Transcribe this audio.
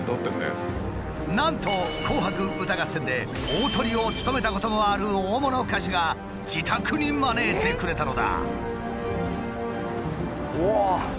なんと「紅白歌合戦」で大トリも務めたこともある大物歌手が自宅に招いてくれたのだ。